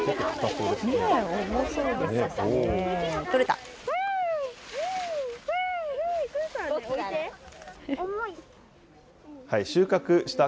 取れた。